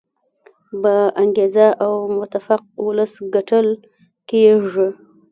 با انګیزه او متفق ولس ګټل کیږي.